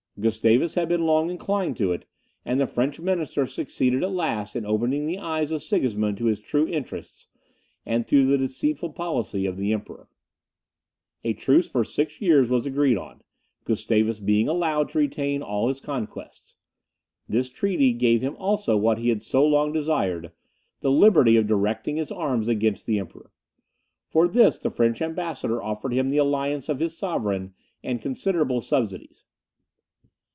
Gustavus had been long inclined to it, and the French minister succeeded at last in opening the eyes of Sigismund to his true interests, and to the deceitful policy of the Emperor. A truce for six years was agreed on, Gustavus being allowed to retain all his conquests. This treaty gave him also what he had so long desired, the liberty of directing his arms against the Emperor. For this the French ambassador offered him the alliance of his sovereign and considerable subsidies.